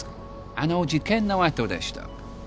あの事件の後でした。